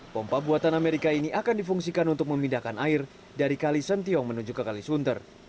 pompa buatan amerika ini akan difungsikan untuk memindahkan air dari kalisentiong menuju ke kalisunter